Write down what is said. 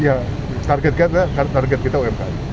iya target kita umkm